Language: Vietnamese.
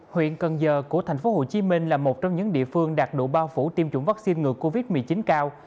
huyện cần giờ của thành phố hồ chí minh là một trong những địa phương đạt độ bao phủ tiêm chủng vaccine ngược covid một mươi chín cao